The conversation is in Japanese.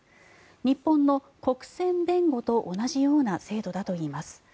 日本の国選弁護と同じような制度だといいます。